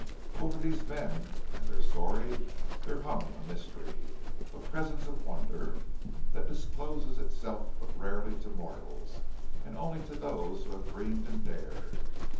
Over these men and their story there hung a mystery—a presence of wonder, that discloses itself but rarely to mortals, and only to those who have dreamed and dared.